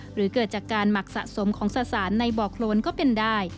หรือเกิดจากการหมักสะสมของสะสานในบ่อโครนก็เป็นได้